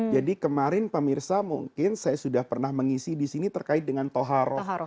jadi kemarin pak mirsa mungkin saya sudah pernah mengisi disini terkait dengan toharo